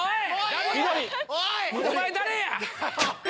お前誰や！